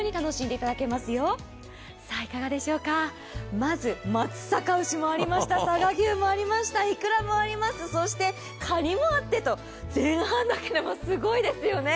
まず松阪牛もありました、佐賀牛もありました、いくらもあります、そしてかにもあってと、前半だけでもすごいですよね。